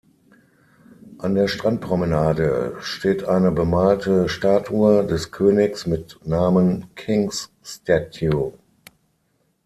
An der Strandpromenade steht eine bemalte Statue des Königs mit Namen King’s Statue.